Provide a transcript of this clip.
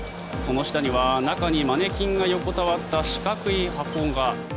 その下には中にマネキンが横たわった四角い箱が。